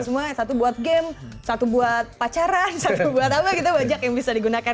semua satu buat game satu buat pacaran satu buat apa kita banyak yang bisa digunakan